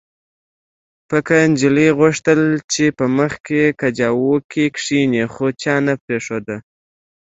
پکه نجلۍ غوښتل چې په مخکې کجاوو کې کښېني خو چا نه پرېښوده